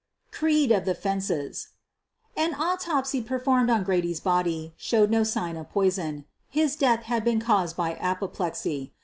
CBEED OF THE " FENCES' ' An autopsy performed on Grady's body showed no sign of poison. His death had been caused by apoplexy.